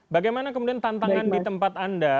bagaimana kemudian tantangan di tempat anda